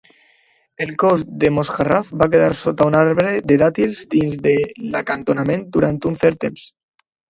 El cos de Mosharraf va quedar sota un arbre de dàtils dins de l'acantonament durant un cert temps.